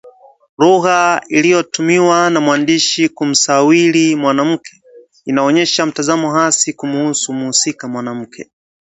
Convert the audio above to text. Lugha iliyotumiwa na mwandishi kumsawiri mwanamke inaonyesha mtazamo hasi kumhusu mhusika mwanamke